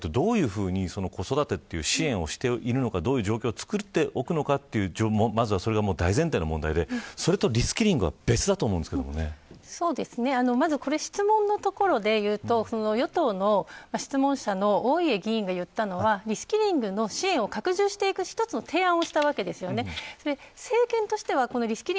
これというのは社会や企業側がどういうふうに子育てという支援をしているのかどういう状況を作っておくのかというまずはそれが大前提の問題でそれとリスキリングはまず、これ質問のところで言うと与党の質問者の多い議員が言ったのはリスキリングの支援を拡充していく一つの提案をしたわけです。